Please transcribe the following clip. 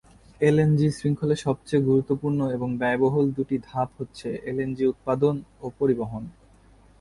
LNG শৃঙ্খলের সবচেয়ে গুরুত্বপূর্ণ এবং ব্যয়বহুল দুটি ধাপ হচ্ছে এলএনজি উৎপাদন ও পরিবহন।